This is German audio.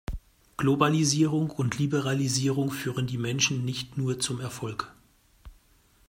Globalisierung und Liberalisierung führen die Menschen nicht nur zum Erfolg.